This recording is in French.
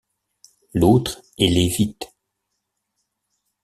L’autre est lévite.